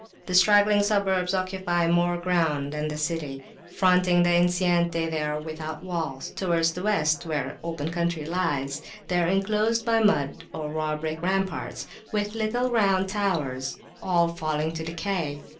The straggling suburbs occupy more ground than the city: fronting the enceinte they are without walls; towards the West, where open country lies, they are enclosed by mud or raw brick ramparts, with little round towers, all falling to decay.